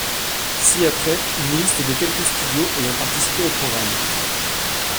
Ci-après, une liste de quelques studios ayant participé au programme.